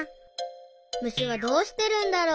むしはどうしてるんだろう？